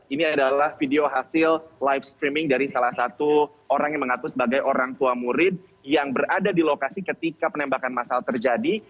ini adalah video hasil live streaming dari salah satu orang yang mengaku sebagai orang tua murid yang berada di lokasi ketika penembakan masal terjadi